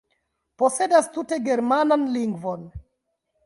posedas tute germanan lingvon.